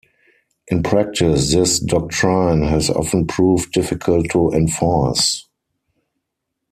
In practice this doctrine has often proved difficult to enforce.